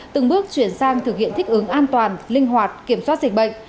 từng bước chuyển sang thực hiện thích ứng an toàn linh hoạt kiểm soát dịch bệnh